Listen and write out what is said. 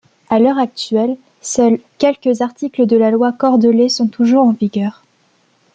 À l'heure actuelle, seuls quelques articles de la loi Cordelet sont toujours en vigueur.